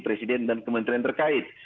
presiden dan kementerian terkait